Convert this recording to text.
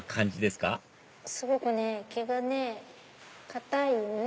すごくね毛がね硬いね。